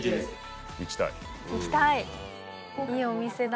行きたい。